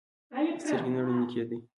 سترګې نه رڼې کېدې.